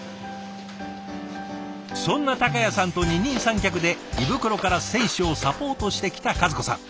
そんな孝也さんと二人三脚で胃袋から選手をサポートしてきた和子さん。